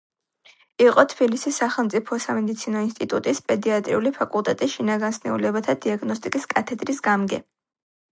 იყო თბილისის სახელმწიფო სამედიცინო ინსტიტუტის პედიატრიული ფაკულტეტის შინაგან სნეულებათა დიაგნოსტიკის კათედრის გამგე.